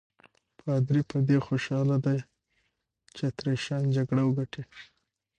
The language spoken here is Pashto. پادري په دې خوشاله دی چې اتریشیان جګړه وګټي.